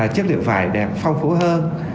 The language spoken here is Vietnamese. chiếc liệu vải đẹp phong phú hơn